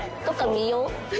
見よう。